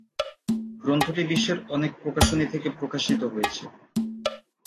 গ্রন্থটি বিশ্বের অনেক প্রকাশনী থেকে প্রকাশিত হয়েছে।